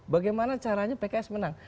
bagaimana caranya pks menang